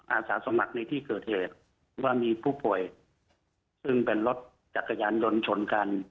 อาสาสมัครในที่เกิดเหตุว่ามีผู้ป่วยซึ่งเป็นรถจักรยานยนต์ชนกัน